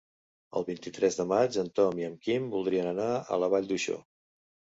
El vint-i-tres de maig en Tom i en Quim voldrien anar a la Vall d'Uixó.